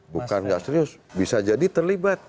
bukan nggak serius bisa jadi terlibat